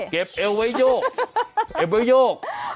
เก็บเอวไว้โยก